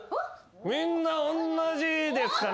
みんなおんなじですかね。